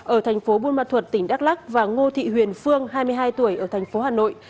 ở thành phố buôn ma thuật tỉnh đắk lắc và ngô thị huyền phương hai mươi hai tuổi ở thành phố hà nội